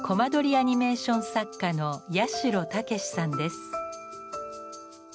アニメーション作家の八代健志さんです。